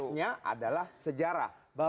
konteksnya adalah sejarah